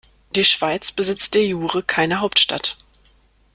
Die Schweiz besitzt de jure keine Hauptstadt.